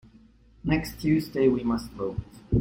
Next Tuesday we must vote.